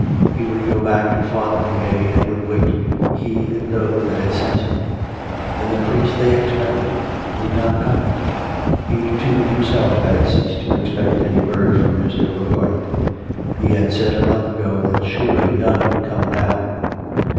He would go back to Fotheringay and would wait, he and those that had sent him. And the priest they expected would not come. He, too, himself, had ceased to expect any word from Mr. Bourgoign; he had said a month ago that surely none would come now.